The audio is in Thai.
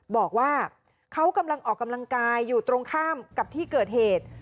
บอกว่าเขากำลังออกกำลังกายอยู่ตรงข้ามกับที่เกิดเหตุ